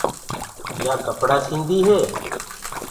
يآ ڪپڙآ سيٚنٚدي هي۔